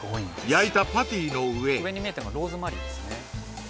焼いたパティの上へ上に見えてるのがローズマリーですね